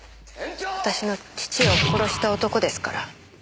私の父を殺した男ですから。